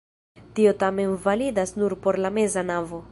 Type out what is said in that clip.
Tio tamen validas nur por la meza navo.